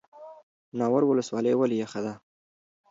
ناور ولسوالۍ ولې یخه ده؟